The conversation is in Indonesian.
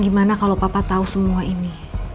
gimana kalau papa tahu semua ini